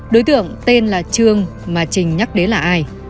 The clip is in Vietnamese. đối tượng tên là trường mà trình nhắc đến là ai